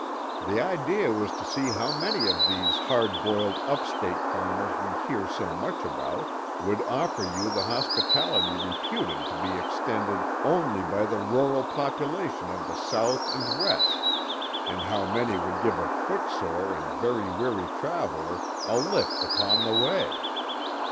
"The idea was to see how many of these hard boiled up State farmers we hear so much about would offer you the hospitality reputed to be extended only by the rural population of the South and West, and how many would give a foot sore and weary traveler a lift upon the way.